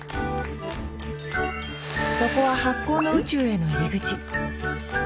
そこは発酵の宇宙への入り口。